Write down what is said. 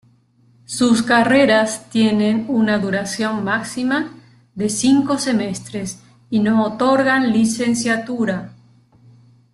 Sus carreras tienen una duración máxima de cinco semestres y no otorgan licenciatura.